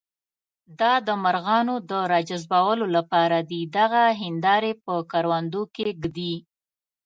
دا د مرغانو د راجذبولو لپاره دي، دغه هندارې په کروندو کې ږدي.